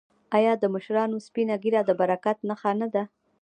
آیا د مشرانو سپینه ږیره د برکت نښه نه ده؟